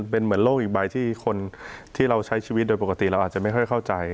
เป็นเหมือนโลกอีกใบที่คนที่เราใช้ชีวิตโดยปกติเราอาจจะไม่ค่อยเข้าใจ